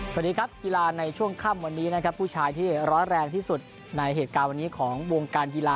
สวัสดีครับกีฬาในช่วงค่ำวันนี้นะครับผู้ชายที่ร้อนแรงที่สุดในเหตุการณ์วันนี้ของวงการกีฬา